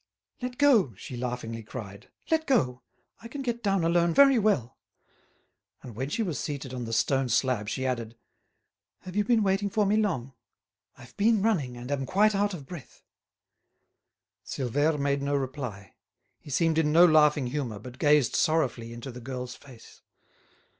"Let go," she laughingly cried; "let go, I can get down alone very well." And when she was seated on the stone slab she added: "Have you been waiting for me long? I've been running, and am quite out of breath." Silvère made no reply. He seemed in no laughing humour, but gazed sorrowfully into the girl's face.